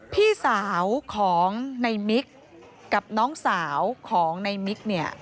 พี่สาวของในมิกกับน้องสาวของในมิกเนี่ย